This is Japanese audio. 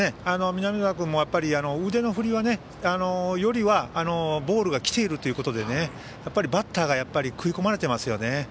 南澤君もやっぱり腕の振りよりはボールが来ているということでやっぱりバッターが食い込まれていますよね。